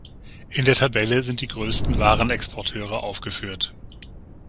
In der Tabelle sind die größten Waren-Exporteure aufgeführt.